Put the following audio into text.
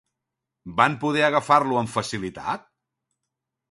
Van poder agafar-lo amb facilitat?